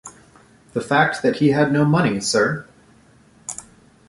The fact that he had no money, sir.